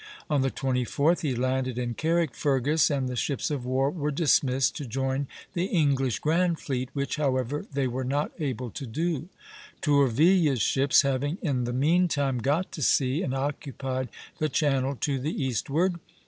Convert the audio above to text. On the 24th he landed in Carrickfergus, and the ships of war were dismissed to join the English grand fleet, which, however, they were not able to do; Tourville's ships having in the mean time got to sea and occupied the channel to the eastward.